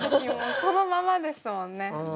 そのままですもんね。